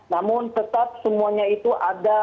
namun tetap semuanya itu ada